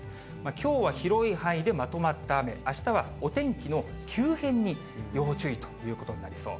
きょうは広い範囲でまとまった雨、あしたはお天気の急変に要注意ということになりそう。